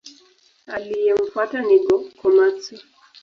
Aliyemfuata ni Go-Komatsu.